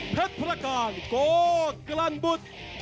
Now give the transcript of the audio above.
แฟทพลักการโกต์กลันบุท